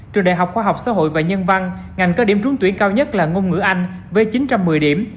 trường đại học khoa học xã hội và nhân văn ngành có điểm trúng tuyển cao nhất là ngôn ngữ anh với chín trăm một mươi điểm